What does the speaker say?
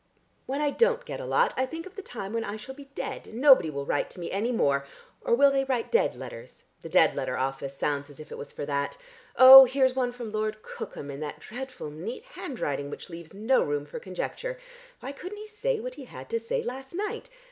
When I don't get a lot, I think of the time when I shall be dead, and nobody will write to me any more. Or will they write dead letters? The dead letter office sounds as if it was for that. Oh, here's one from Lord Cookham in that dreadful neat handwriting which leaves no room for conjecture. Why couldn't he say what he had to say last night?